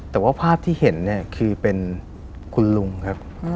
แต่ว่าภาพที่เห็นเนี่ยคือเป็นคุณลุงครับ